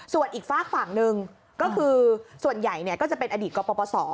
ส่วนอีกฝากฝั่งหนึ่งก็คือส่วนใหญ่ก็จะเป็นอดีตกปศ